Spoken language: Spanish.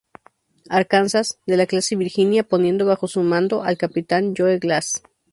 Arkansas, de la clase Virginia, poniendo bajo su mando al capitán Joe Glass.